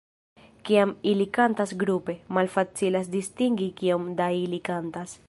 Kiam ili kantas grupe, malfacilas distingi kiom da ili kantas.